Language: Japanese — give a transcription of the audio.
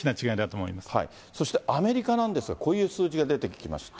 そしてアメリカなんですが、こういう数字が出てきました。